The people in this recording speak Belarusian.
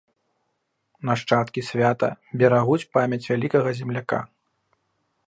Нашчадкі свята берагуць памяць вялікага земляка.